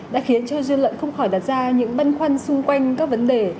đã khiến cho dư luận không khỏi đặt ra những băn khoăn xung quanh các vấn đề